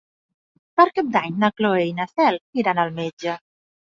Per Cap d'Any na Cloè i na Cel iran al metge.